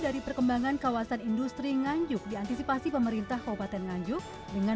dari perkembangan kawasan industri nganjuk diantisipasi pemerintah kabupaten nganjuk dengan